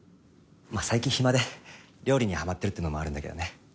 まあ最近暇で料理にハマってるっていうのもあるんだけどね。